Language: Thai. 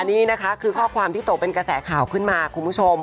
นี่นะคะคือข้อความที่ตกเป็นกระแสข่าวขึ้นมาคุณผู้ชม